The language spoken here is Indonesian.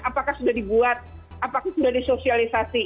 apakah sudah dibuat apakah sudah disosialisasi